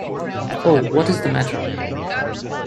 Oh, what is the matter?